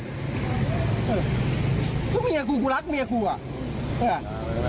เพราะเมียกูกูรักเมียกูอะ